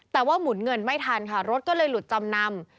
แต่ว่าหมุนเงินไม่ทันค่ะรถก็เลยหลุดจำนำ